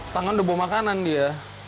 tangan udah bawa makanan dia